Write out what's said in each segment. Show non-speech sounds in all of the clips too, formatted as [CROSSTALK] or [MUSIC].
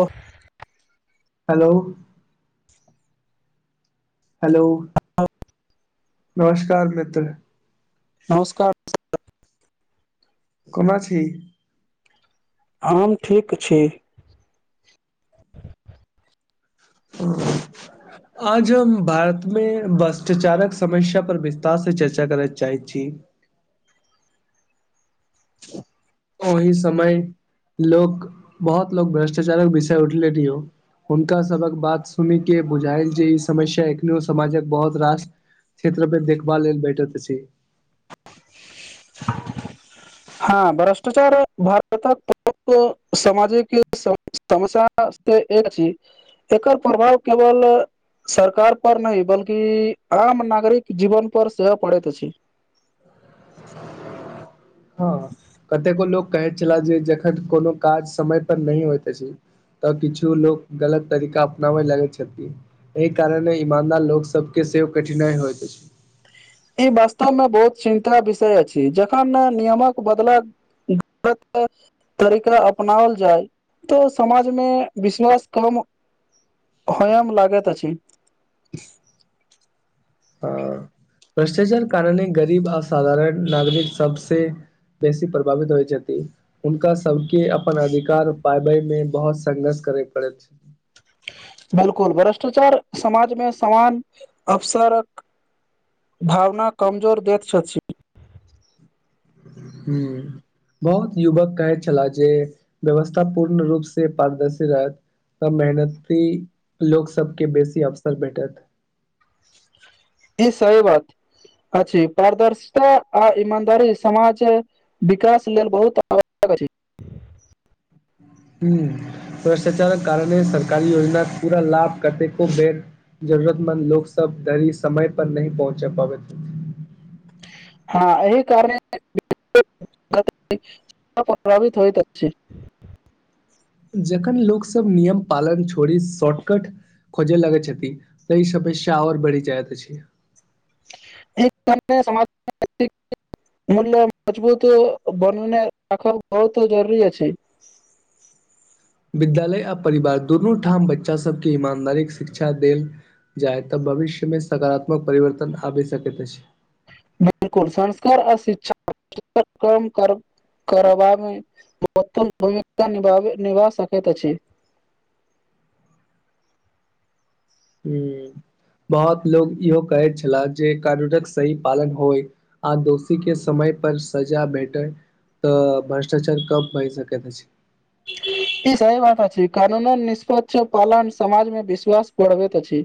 ओ hello hello नमस्कार मित्र नमस्कार कोना छी हम ठीक छी [UNINTELLIGIBLE] आज हम भारत में भ्रष्टाचारक समस्या पर विस्तार से चर्चा करैत चाहैत छी ओहि समय लोक बहुत लोको भ्रष्टाचारक विषय उठले लिया हुनका सभ कें बात सुनि के बुझायल जे ई समस्या एखन समाज के बहुत रास क्षेत्र पर देखभाल लेल बैठैत छै। [UNINTELLIGIBLE] [UNINTELLIGIBLE] समस्या से एक छी एकर प्रभाव केवल सरकार पर नही बल्कि आम नागरिक जीवन पर सेहो पड़ैत अछि। हऽ कतेक लोक कहैत छलैह जे जखन कोनो काज समय पर नै होइत अछि। तऽ किछु लोक गलत तरीका अपनाबय लगै छथिन। एहि कारण अइ ईमानदार लोग सब केँ सेहो कठिनाइ होयइत अछि। ई वास्तव में बहुत चिन्ता विषय अछि जखन नियमक बदला [UNINTELLIGIBLE] तरीका अपनाओल जाय तऽ समाज में विश्वास कम होऐम लागैत अछि। हऽ [INAUDIBLE] भ्रष्टाचार कारणे गरीब असाधारण नागरिक सबसे बेसी प्रभावित होइ छथिन। हुनका सब केँ अपन अधिकार पाबै में बहुत संघर्ष करय पड़ैत छैय। बिल्कुल भ्रष्टाचार समाज में समान अवसरक भावना कमजोर दैत छछि। हू बहुत युवक कहै छलाह जे व्यवस्था पूर्ण रूप से पारदर्शी रहत। तऽ मेहनती लोक सब केँ बेसी अवसर भेटत। ई सही बात अछि पारदर्शिता आ ईमानदारी समाज विकास लेल बहुत आवश्यक अछि हु भ्रष्टाचारक कारणे सरकारी योजनाक पूरा लाभ कतेको बेर जरूरतमंन्द लोक सब धरी समय पर नहीं पहुँच पाबैत। हाँ एहि कारण [UNINTELLIGIBLE] [UNINTELLIGIBLE] प्रभावित होइत अछि। जखन लोक सब नियम पालन छोड़ि शॉर्टकट खोजे लागे छथि तै ई समस्या और बढ़ि जाइत अछि। [UNINTELLIGIBLE] एक सम मूल्य मजबूत बनने राखब बहुत जरूरी अछि। विद्यालय आ परिवार दुनू ठाम बच्चा सब केँ ईमानदारीक शिक्षा देल जायत भविष्य में सकारात्मक परिवर्तन आबि सकैत अछि। बिल्कुल संस्कार आ शिक्षा [UNINTELLIGIBLE] करबामे [UNINTELLIGIBLE] महत्वपूर्ण भूमिका निभाबै निभा सकैत अछि। हूँ बहुत लोक इहो कहैत छलाह जे कानूनक सही पालन होइ। आ दोषी केँ समय पर सजा भेटैय। तऽ भ्रष्टाचार कम भइ सकैत अछि। [UNINTELLIGIBLE] ई सही बात अछि कानूनक निष्पक्ष पालन समाज में विश्वास बढ़बैत अछि।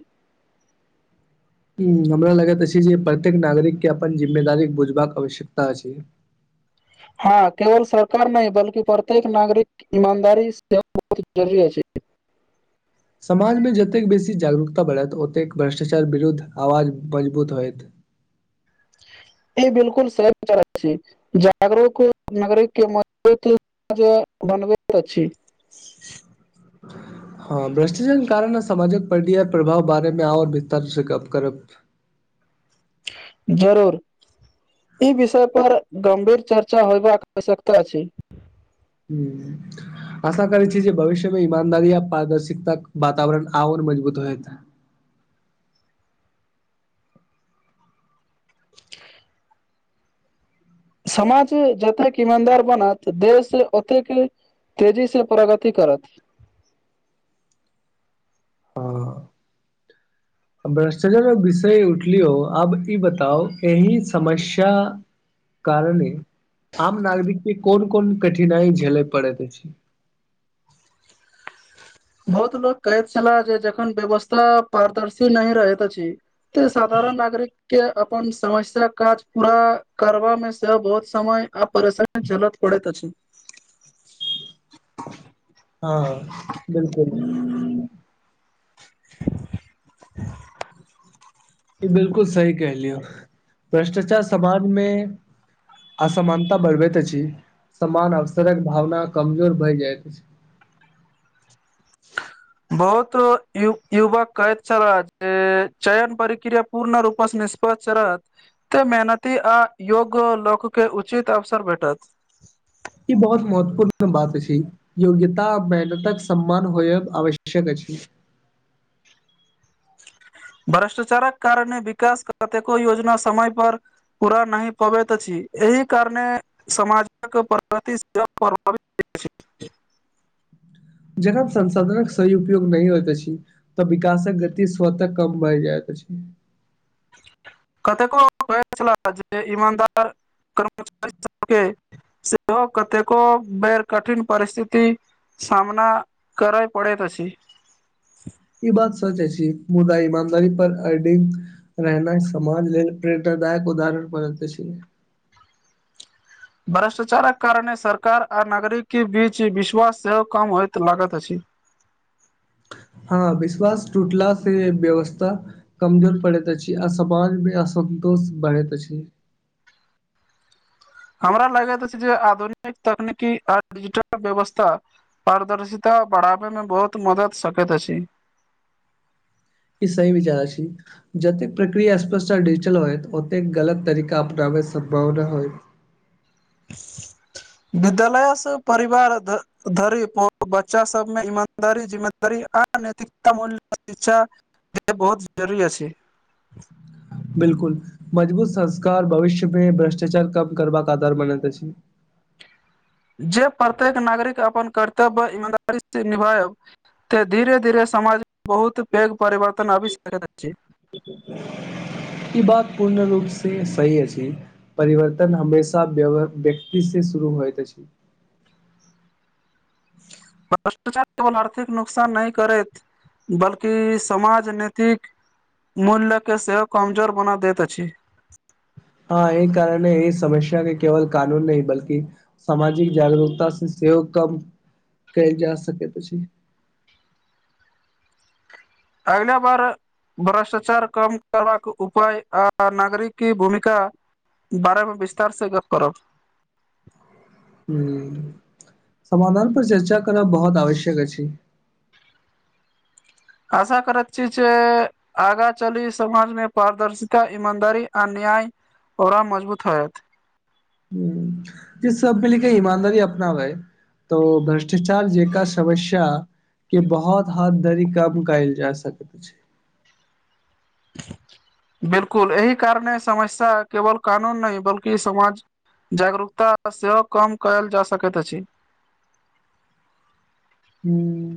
हूँ हमरा लगैत अछि जे प्रत्येक नागरिक केँ अपन जिम्मेदारी बुझबाक आवश्यकता अछि। हँ केवल सरकार नहीं बल्कि प्रत्येक नागरिक ईमानदारी सेव बहुत जरूरी अछि। समाज में जतेक बेसी जागरूकता बढ़त ओतेक भ्रष्टाचार विरुद्ध आवाज मजबूत होयत। ई बिलकुल [UNINTELLIGIBLE] से चल छिय। जागरूक नागरिक के [UNINTELLIGIBLE] म बनबैत मनबैत अछि। [UNINTELLIGIBLE] हँ भ्रष्टाचार केँ कारण सामाजिक प्रतिया प्रभाव बारे मे और विस्तार से गप्प करब। जरूर ई विषय पर गंभीर चर्चा होयबाक आवश्यकता अछि। हूँ। आशा करैत छी जे भविष्य मे ईमानदारी आ पारदर्शितताक वातावरण ओर मजबूत होइत। समाज जतेकऽ ईमानदार बनत देश ओतेक तेजी सँ प्रगति करत ह भ्रष्टाचा विषय उठलियो आब ई बताउ एहि समस्या कारने आम नागरिकऽ के कोन - कोन कठिनाई झेलय पड़ैत अछि। बहुत लोक कहैत छेला जे जखन व्यवस्था पारदर्शी नै रहैत अछि तऽ साधारण नागरिक। कऽ अपन समस्या काज पूरा करबा मे से बहुत समय आ परेशा चलत पड़ैत अछि ह बिल्कुल बिल्कुल सही कहलियै भ्रष्टाचार समाज मे असमानता बढ़बैत अछि समान अवसरक भावना कमजोर भऽ जाइत अछि बहुत युवक कहैत छल जे चयन परिक्रिया पूर्ण रूपस निष्पस चढ़त। एते मेहनती अ योग लोक के उचित अवसर भेटत बहुत महत्वपूर्ण बात अछि योग्यता मेहनतकऽ सम्मान होयव आवश्यक अछि भ्रष्टाचारक कारणे विकास कतेको योजना समय पर। पूरा नैय पबैत अछि एहि कारणे समाजक प्रगति से प जखन संसाधनक सही उपयोग नै होइत अछि तऽ विकासक गति स्वत कम भए जाइत अछि कतेको ईमानदार कर्मचारी सभ के सेहो कतेको बेर कठिन परिस्थिति। सामना करैय पड़ैत अछि बात सच अछि मुदा ईमानदारी पर अडिंग रहनाय समाज लेलऽ प्रेरदायक उदाहरण परैत अछि भ्रष्टाचारक कारणे सरकार आ नागरिकी बीच विश्वास सेहो कम होइत लागैत अछि ह विश्वास टूटला से व्यवस्था कमजोर पड़ैत अछि आ समाज मे असन्तोष बढ़ैत अछि। हमरा लगैत अछि जे आधुनिक तकनीकि आ डिजिटल व्यवस्था पारदर्शीता बढ़ाब मे बहुत मद सकैत अछी ई सही विचार अछि जतेक प्रक्रिया स्पष्ट आ डिजिटल होयत ओते कऽ गलत तरीका अपनाबै संम्भावना होइत [INAUDIBLE] विद्यालय सँ परिवार ध धरी बच्चा सभमे ईमानदारी जिम्मेदारी आ नैयतिकता मूल्य शिक्षा ई बहुत जरूरी अछि बिल्कुल मजबूत संस्कार भविष्य मे भ्रष्टाचार कम करबाक अधार बनैत अछि जे प्रत्येक नागरिक अपन कर्तव्य ईमानदारी से निभायब। त धीरे -धीरे समाज बहुत पैघ परिवर्तन आबि सकैत अछि। [INAUDIBLE] ई बात पूर्ण रूप से सही अछि परिवर्तन हमेशा वेय व्यक्ति से शुरू होइत अछि भ्रष्टाचार केवल अर्थिक नुकसान नैय करैत बल्कि समाज नेतिक मूल्य के सेहो कमजोर बना देत अछि हं एहि कारणे इ समस्या के केवल कानून नही बल्कि सामजिक जागरूकता से सेहो कम कैल जा सकैत अछि अंगना बारअ भ्रष्टाचार कम करबाक उपाय आ नागरिक के भूमिका बारअ गो विस्तार से गप करब हूँ समाधान पर चर्चा करब बहुत आवश्यक अछि आशा करत छी जे आगाँ चली समाजमे पारदर्शिता ईमानदारी आ न्याय ओरा मजबूत होयत ह जे सब मिलके ईमानदारी अपनाबए तऽ ओ भ्रष्टाचार जेका समस्या के बहुत हद धरी कम कएल जा सकत छै बिलकुल एहि कारणे समस्या केवल कानून नहि बल्कि समाज जागरूकता पर सेहो काम कयल जा सकति अछि हूं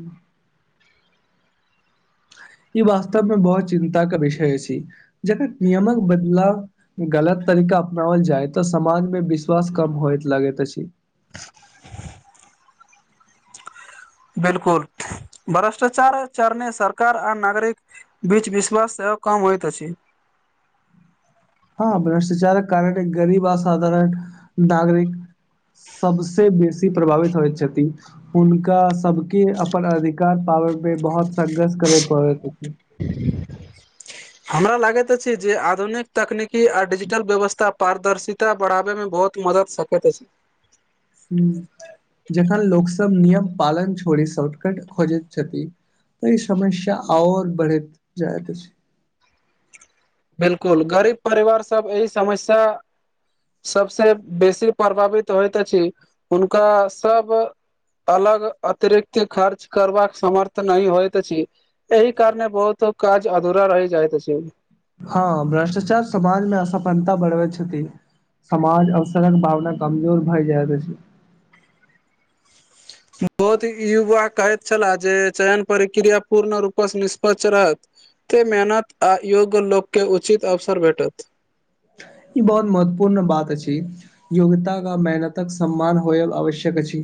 ई वास्तव मे बहुत चिन्ता क विषय अछि जकर नियमक बदलाव गलत तरीका अपनावल जाय तऽ समाज मे विश्वास कम होइत लगति अछि [INAUDIBLE] बिलकुल भ्रष्टाचार आओर चरणे सरकार आर नागरिक बीच विश्वास सेहो कम होइत अछि हँ भ्रष्टाचारक कारणे गरीब असाधारण नागरिक सबसे बेसी प्रभावित होइत छथि हुनका सबके अपन अधिकार पाबै मे बहुत संघर्ष करय पड़ति अछि हमरा लागति अछि जे आधुनिक तकनीकी आ डिजिटल व्यवस्था पारदर्शिता बढ़ाबे मे बहुत मदद सकैत अछि हूं जखन लोक सब नियम पालन छोड़ि शॉर्टकट खोजति छथि तऽ इ समस्या आओर बढ़ति जायत अछि बिलकुल गरीब परिवार सब एहि समस्या सबस बेसी प्रभावित होइत अछि हुनका सब अलग अतिरिक्त खर्च करबाक समर्थ नहि होइत अछि एहि कारने बहुतो काज अधूरा रहि जाइत अछी हँ भ्रष्टाचार समाज मे असफलता बढ़बै छथि समाज अवसरक भावना कमजोर भए जाइत अछि बहुत युवा कहति छलाह जे चयन प्रक्रिया पूर्ण रूपस निष्पक्ष रहत एते मेहनत आ योग्य लोक के उचित अवसर भेटत ई बहुत महत्वपूर्ण बात अछि योग्यताक मेहनतक सम्मान होयत आवश्यक अछि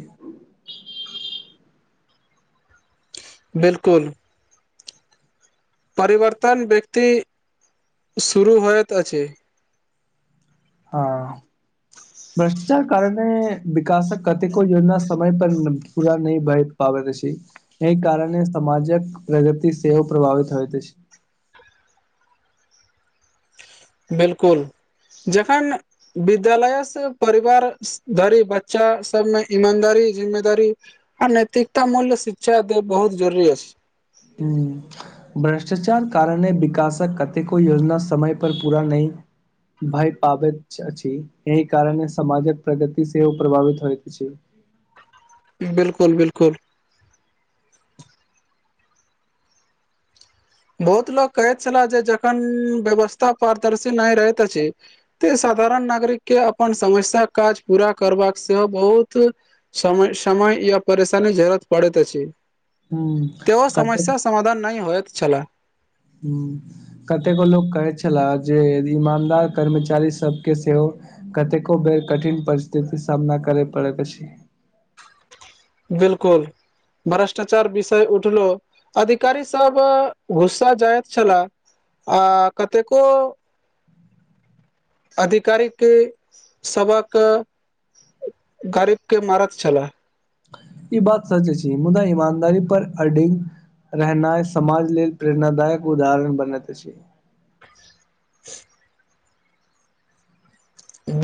बिलकुल परिवर्तन व्यक्ति शुरू होइत अछि आं भ्रष्टाचार कारनेे विकासक कतेको योजना समय पर पूरा नहि भए पाबति अछी एहि कारणे सामजक प्रगति सेहो प्रभावित होइत अछि बिलकुल जखन विद्यालयस परिवार धरि बच्चा सब मे ईमानदारी जिम्मेदारी आ नैतिकता मूल्य शिक्षा के बहुत जरुरी अछी हू भ्रष्टाचार कारणे विकासक कतेको योजना समय पर पूरा नहि भय पाबैत अछि एहि कारणे समाजक प्रगति सेहो प्रभावित होइत अछि बिलकुल बिलकुल बहुत लोक कहैत छला जे जखन व्यवस्था पारदर्शी नहि रहैत अछि तऽ साधारण नागरिक के अपन समस्या काज पूरा करबाक सेहो बहुत समय समय ईऔपरेशान जरुरी पड़ैत अछि हूँ कयौ कतेक समस्या समधान नहि होयत छलाह ह कतेको लोक कहै छलाह जे ईमानदार कर्मचारी सबके सेहो। कतेको बेर कठिन परिस्थिति के सामना करै पडैत अछि बिलकुल भ्रष्टाचार विषय उठलो अधिकारी सब गुस्सा जाइत छलाआ कतेको अधिकारी के सब गरीब के मारक छलाह ई बात सच छै मुदा ईमानदारी पर अडिंग। रहनाइ समाजक लेल प्रेरणादायक उदाहरण बनैत अछि। [INAUDIBLE]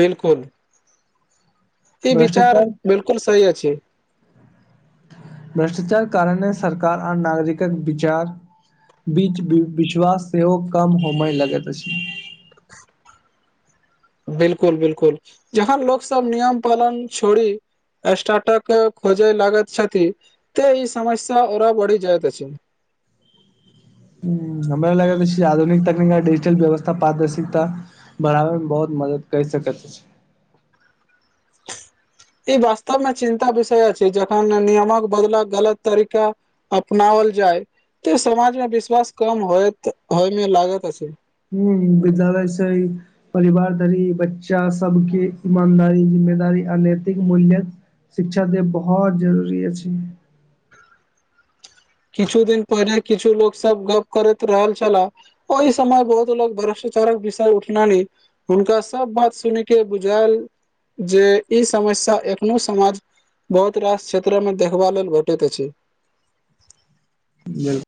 बिलकुल। ई विचार भ्रष्टाचार बिलकुल सही अछि। भ्रष्टाचार कारणे सरकार आ नागरिकक विचार। बीच विछ्वास सेहोकम होमय लगैत अछि। बिलकुल बिलकुल जहाँ लोक सब नियम पालन छोड़ी। स्टक खोजे लागा छथि तऽ ई समस्या ओरबढि जायत। अछि ह हमरा लागल आधुनिक तकनीक डिजिटल व्यवस्था पारदर्शिकता। बढ़ाबै मे बहुत मदद करि सकैत अछि। ई वास्तवमे चिन्ताक विषय जखन नियमक बदलल गलत तरीका। अपनायल जाय तऽ समाज मे विश्वास कम हो होय मे लागत अछि हू विद्यालय छै ई। परिवार धरी बच्चा सबके ईमानदारी जिम्मेदारी अनैैतिक मूल्य। शिक्षा त बहुत जरूरी अछि अछि। किछु दिन पहिनेे किछु लोक सब गप करैत रहल छलाह ओ ई समय बहुत लोकगक भ्रष्ट चौड़क विषय उठ नानी हुनका सभ बात सुनि क बुझायल जे ई समस्या एखनो समाज। बहुत रास क्षेत्र में देखबा लेल भेटैत अछि। बिलक।